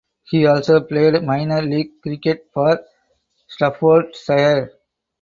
He also played minor league cricket for Staffordshire.